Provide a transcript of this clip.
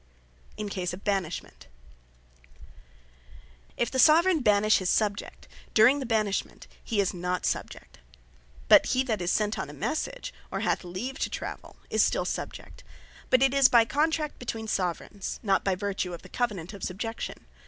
In Case Of Banishment If the Soveraign Banish his Subject; during the Banishment, he is not Subject. But he that is sent on a message, or hath leave to travell, is still Subject; but it is, by Contract between Soveraigns, not by vertue of the covenant of Subjection.